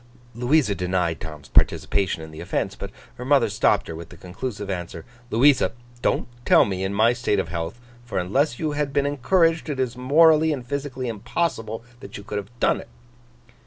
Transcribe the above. Louisa denied Tom's participation in the offence; but her mother stopped her with the conclusive answer, 'Louisa, don't tell me, in my state of health; for unless you had been encouraged, it is morally and physically impossible that you could have done it.